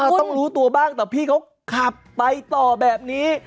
ต้องรู้ตัวบ้างแต่พี่เขาขับไปต่อแบบนี้